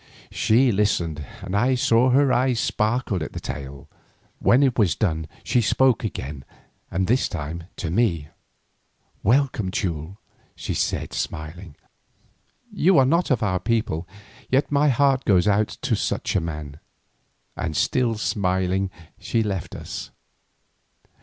She listened and I saw that her eyes sparkled at the tale. When it was done she spoke again, and this time to me. "Welcome, Teule," she said smiling. "You are not of our people, yet my heart goes out to such a man." And still smiling she left us.